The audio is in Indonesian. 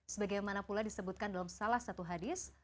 sebagai mana pula disebutkan dalam salah satu hadis